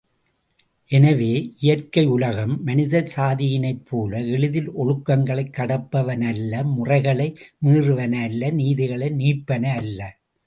எனவே, இயற்கை உலகம், மனித சாதியினைப்போல எளிதில் ஒழுக்கங்களைக் கடப்பனவல்ல முறைகளை மீறுவன அல்ல நீதிகளை நீப்பன அல்ல.